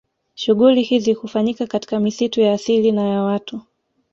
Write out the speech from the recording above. Shughuli hizi hufanyika katika misitu ya asili na ya watu